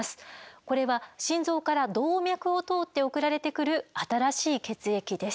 これは心臓から動脈を通って送られてくる新しい血液です。